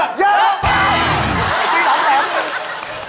ราคาไม่แพง